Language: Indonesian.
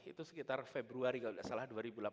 itu sekitar februari kalau tidak salah dua ribu delapan belas